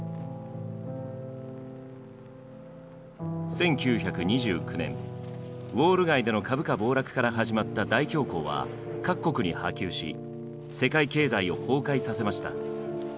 １９２９年ウォール街での株価暴落から始まった大恐慌は各国に波及し世界経済を崩壊させました。